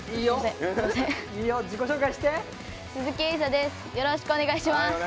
よろしくお願いします。